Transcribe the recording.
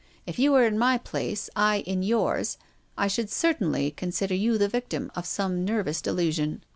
If you were in my place, I in yours, I should certainly consider you the victim of some nervous delusion.